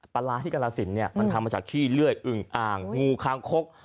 ปลาร้าที่กรสินเนี่ยมันทำมาจากขี้เลื่อยอึงอ่างงูคางคก